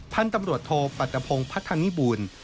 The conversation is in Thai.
ท่านตำรวจโทษปัตตะพงภัทธานิบูล